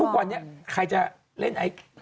ทุกวันนี้ใครจะเล่นไอ